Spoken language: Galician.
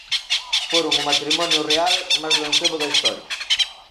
Foron o matrimonio real máis lonxevo da historia.